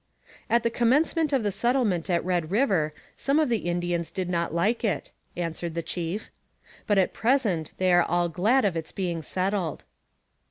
'At the commencement of the settlement at Red River, some of the Indians did not like it,' answered the chief, 'but at present they are all glad of its being settled.'